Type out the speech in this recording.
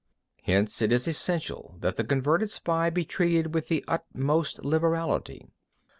Hence it is essential that the converted spy be treated with the utmost liberality.